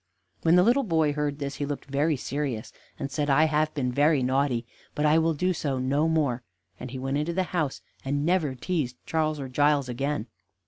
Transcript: When the little boy heard this he looked very serious, and said: "I have been very naughty, but I will do so no more," and he went into the house, and never teased Charles or Giles again.